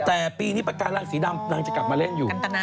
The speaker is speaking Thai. แต่ปีนี้ปากการังสีดำนางจะกลับมาเล่นอยู่